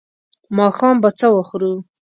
ماښام به څه وخورو؟